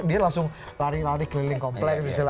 mereka langsung lari lari keliling komplain